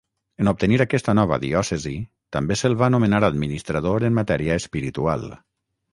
En obtenir aquesta nova diòcesi, també se'l va nomenar administrador en matèria espiritual.